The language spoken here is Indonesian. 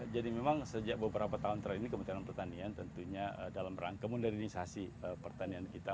jadi memang sejak beberapa tahun terakhir ini kementerian pertanian tentunya dalam rangka modernisasi pertanian kita